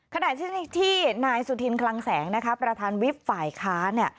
ขณะที่นายสุธินคลังแสงประธานวิทย์ฝ่ายค้าน